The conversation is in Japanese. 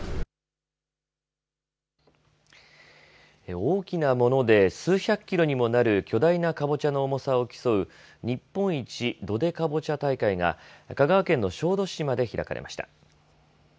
大きなもので数百キロにもなる巨大なカボチャの重さを競う、日本一どでカボチャ大会が香川県の小豆島で開かれました。